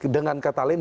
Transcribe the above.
dengan kata lain